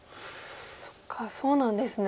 そっかそうなんですね。